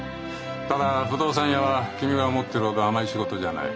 ただ不動産屋は君が思ってるほど甘い仕事じゃない。